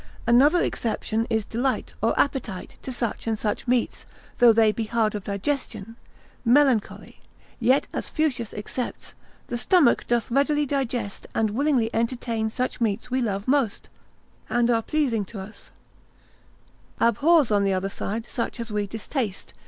Another exception is delight, or appetite, to such and such meats: though they be hard of digestion, melancholy; yet as Fuchsius excepts, cap. 6. lib. 2. Instit. sect. 2, The stomach doth readily digest, and willingly entertain such meats we love most, and are pleasing to us, abhors on the other side such as we distaste.